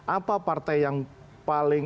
apa partai yang paling